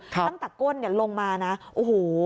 ตั้งแต่ก้นลงมานะโอ้โห